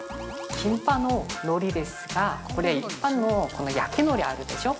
◆キンパののりですがこれ一般の焼きのりあるでしょう